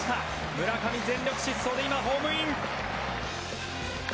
村上、全力疾走で今、ホームイン。